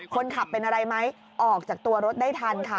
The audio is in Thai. คนขับเป็นอะไรไหมออกจากตัวรถได้ทันค่ะ